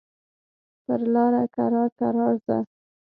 پر لاره کرار کرار ځه.